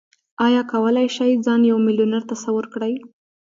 ايا کولای شئ ځان يو ميليونر تصور کړئ؟